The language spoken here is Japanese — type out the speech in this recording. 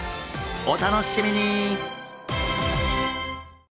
お楽しみに！